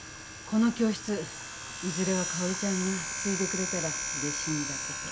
この教室いずれは佳織ちゃんが継いでくれたらうれしいんだけど。